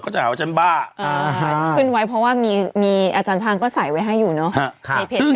แล้วขึ้นไว้เพราะว่ามีอาจารย์ทางก็ใส่ไว้ให้อยู่เนอะ